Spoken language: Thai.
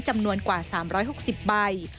จำนวนกว่า๓๖๐ใบ